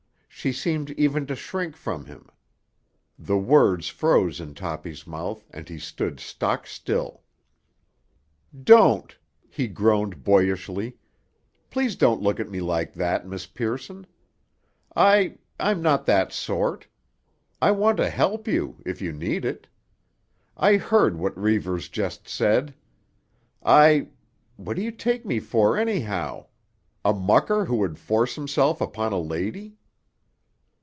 She seemed even to shrink from him. The words froze in Toppy's mouth and he stood stock still. "Don't!" he groaned boyishly. "Please don't look at me like that, Miss Pearson! I—I'm not that sort. I want to help you—if you need it. I heard what Reivers just said. I——What do you take me for, anyhow? A mucker who would force himself upon a lady?"